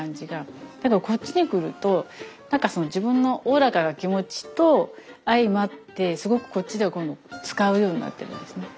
だけどこっちに来ると自分のおおらかな気持ちと相まってすごくこっちでは今度使うようになってるんですね。